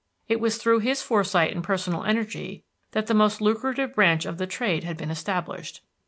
It was through his foresight and personal energy that the most lucrative branch of the trade had been established.